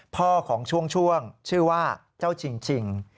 พ่อของช่วงชื่อว่าเจ้าชิง